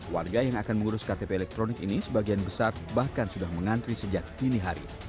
warga yang akan mengurus ktp elektronik ini sebagian besar bahkan sudah mengantri sejak dini hari